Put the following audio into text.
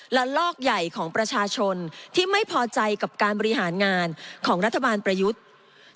และลอกใหญ่ของประชาชนที่ไม่พอใจกับการบริหารงานของรัฐบาลประยุทธ์